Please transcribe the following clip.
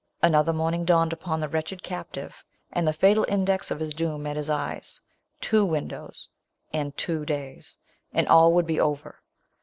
Another morning dawned upon the wretched captive, and the fatal index of his doom met his eyes. Two windows! — and two days — and all would be over